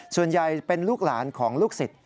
ส่วนใหญ่เป็นลูกหลานของลูกศิษย์